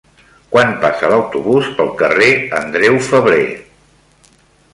Quan passa l'autobús pel carrer Andreu Febrer?